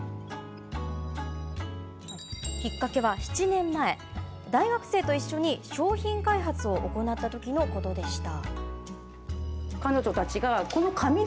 きっかけは、７年前大学生と一緒に商品開発を行った時のことでした。